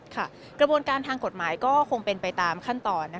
กระบวนการทางกฎหมายก็คงเป็นไปตามขั้นตอน